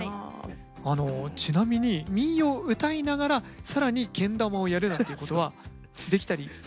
あのちなみに民謡を唄いながら更にけん玉をやるなんていうことはできたりするんでしょうか。